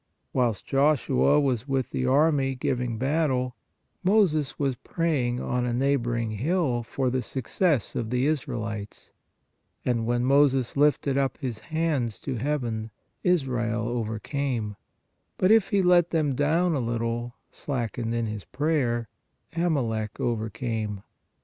Whilst Josue was with the army giving battle, Moses was praying on a neighboring hill for the success of the Israelites; "and when Moses lifted up his hands (to heaven), Israel overcame; but if he let them down a little (slackened in his prayer), Amalec overcame.